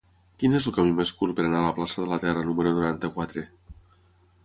Quin és el camí més curt per anar a la plaça de la Terra número noranta-quatre?